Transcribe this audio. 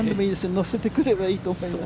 乗せてくればいいと思います。